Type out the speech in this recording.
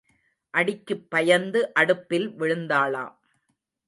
அடிக்குப் பயந்து அடுப்பில் விழுந்தாளாம்.